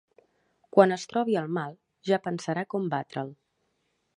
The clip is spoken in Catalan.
Quan es trobi el mal, ja pensarà com batre'l.